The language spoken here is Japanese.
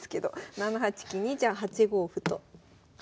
７八金にじゃあ８五歩と突きます。